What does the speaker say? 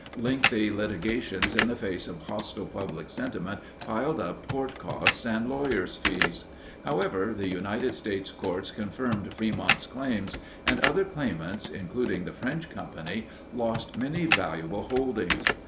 Lengthy litigations in the face of hostile public sentiment piled up court costs and lawyer fees. However, the United States courts confirmed Frémont's claims, and other claimants, including the French Company, lost many valuable holdings.